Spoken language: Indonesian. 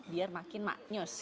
biar makin maknyus